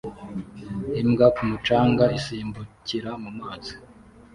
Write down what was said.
Imbwa ku mucanga isimbukira mu mazi